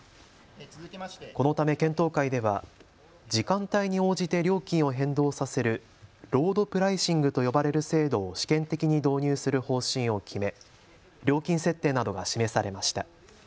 このため検討会では時間帯に応じて料金を変動させるロードプライシングと呼ばれる制度を試験的に導入する方針を決め料金設定などが示されました。